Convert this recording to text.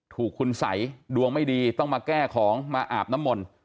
ถูกคุณสัยดวงไม่ดีต้องมาแก้ของมาอาบน้ำมนต์